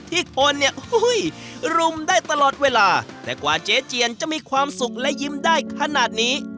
ที่คนเนี่ยรุมได้ตลอดเวลาแต่กว่าเจ๊เจียนจะมีความสุขและยิ้มได้ขนาดนี้